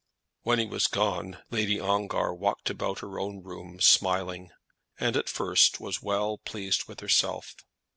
When he was gone Lady Ongar walked about her own room smiling, and at first was well pleased with herself.